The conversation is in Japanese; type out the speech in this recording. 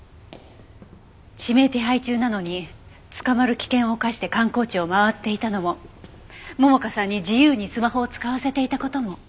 指名手配中なのに捕まる危険を冒して観光地を回っていたのも桃香さんに自由にスマホを使わせていた事も。